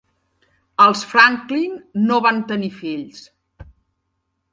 Els Franklin no van tenir fills.